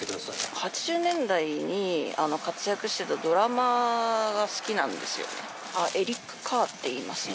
８０年代に活躍してたドラマーが好きなんですよね。